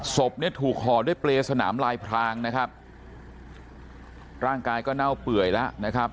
ศพเนี่ยถูกห่อด้วยเปรย์สนามลายพรางนะครับร่างกายก็เน่าเปื่อยแล้วนะครับ